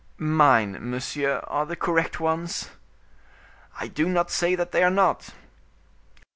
"Mine, monsieur, are the correct ones." "I do not say that they are not."